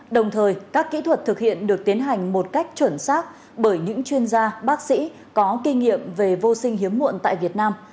đồng thời các kỹ thuật thực hiện được tiến hành một cách chuẩn xác bởi những chuyên gia bác sĩ có kinh nghiệm về vô sinh hiếm muộn tại việt nam